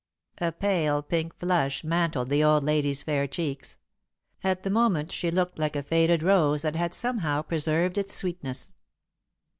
A pale pink flush mantled the old lady's fair cheeks. At the moment she looked like a faded rose that had somehow preserved its sweetness.